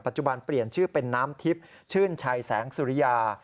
จุบันเปลี่ยนชื่อเป็นน้ำทิพย์ชื่นชัยแสงสุริยา